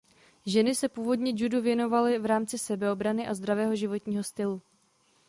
Ženy se původně judu věnovali v rámci sebeobrany a zdravého životního stylu.